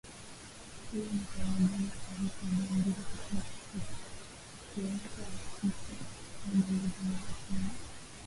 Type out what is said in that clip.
hiyo ni kwa mujibu wa taarifa iliyoandikwa katika ukurasa wa Twitter wa ubalozi wa Marekani